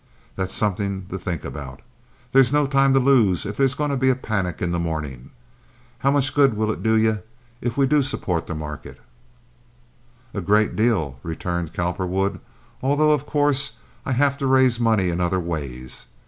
"That's something to think about. There's no time to lose if there's going to be a panic in the morning. How much good will it do ye if we do support the market?" "A great deal," returned Cowperwood, "although of course I have to raise money in other ways.